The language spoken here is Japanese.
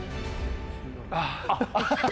ああ。